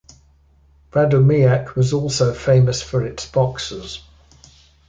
Radomiak was also famous for its boxers.